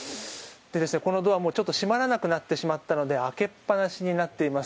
このドア、もう閉まらなくなってしまったので開けっぱなしになっています。